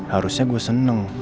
harusnya gue seneng